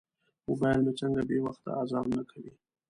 موبایل مې څنګه بې وخته اذانونه کوي.